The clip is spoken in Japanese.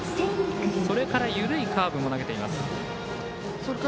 それから緩いカーブも投げています。